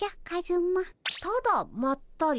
ただまったり。